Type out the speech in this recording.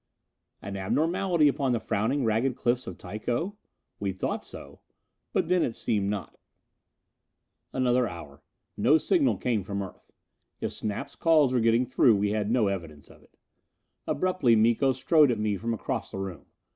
An abnormality upon the frowning ragged cliffs of Tycho? We thought so. But then it seemed not. Another hour. No signal came from Earth. If Snap's calls were getting through we had no evidence of it. Abruptly Miko strode at me from across the room.